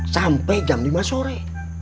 sampai jam lima sore